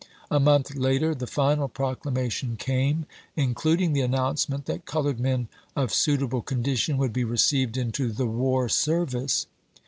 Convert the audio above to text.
A month later, the final proclamation came, including the announcement that colored men of suitable condition would be received into the war service.